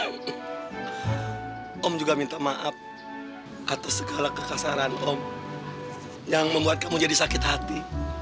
om juga minta maaf atas segala kekasaran om yang membuat kamu jadi sakit hati